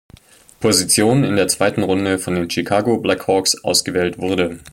Position in der zweiten Runde von den Chicago Blackhawks ausgewählt wurde.